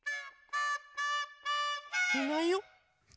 いないよ。